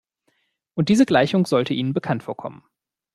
Und diese Gleichung sollte Ihnen bekannt vorkommen.